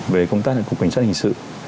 về công tác của cục cảnh sát hình sự